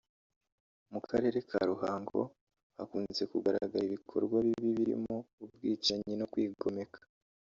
mu karere ka Ruhango hakunze kugaragara ibikorwa bibi birimo ubwicanyi no kwigomeka